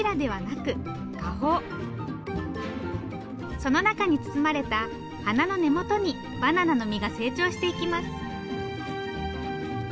その中に包まれた花の根元にバナナの実が成長していきます。